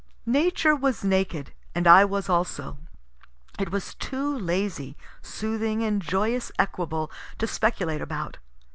Nature was naked, and I was also. It was too lazy, soothing, and joyous equable to speculate about.